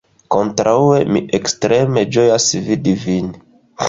Kontraŭe, mi ekstreme ĝojas vidi vin.